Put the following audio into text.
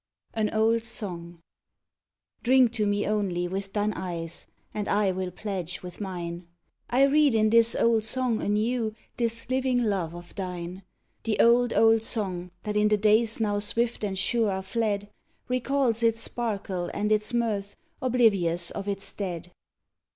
AN OLD SONG "Drink to me only with thine eyes, and I will pledge with mine," I read in this old song, anew, this living love of thine! The old, old song that in the days now swift and sure are fled, Recalls its sparkle and its mirth, oblivious of its dead!